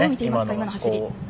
今の走り。